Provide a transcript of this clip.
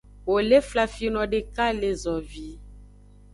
Wo le flafino deka le zovi.